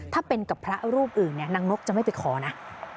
ถ้าเป็นกับพระรูปอื่นเนี่ยนางนกจะไม่ไปขอนะ